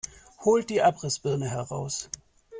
Holt die Abrissbirne heraus!